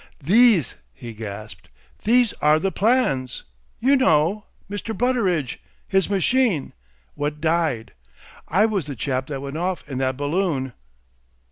"These!" he gasped. "These are the plans!... You know! Mr. Butteridge his machine! What died! I was the chap that went off in that balloon!"